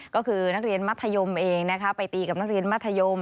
ก็คือนักเรียนมัธยมเองนะคะไปตีกับนักเรียนมัธยม